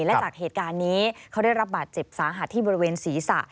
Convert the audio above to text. และจากเหตุการณ์นี้เขาได้รับบาดเจ็บสาหัสที่บริเวณศีรษะ